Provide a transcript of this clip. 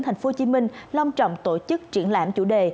tp hcm long trọng tổ chức triển lãm chủ đề